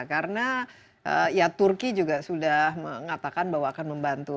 karena ya turki juga sudah mengatakan bahwa akan membantu